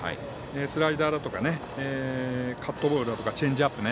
スライダーだとかカットボールだとかチェンジアップ。